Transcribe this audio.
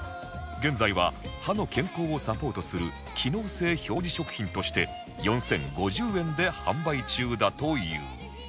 現在は歯の健康をサポートする機能性表示食品として４０５０円で販売中だという